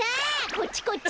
こっちこっち！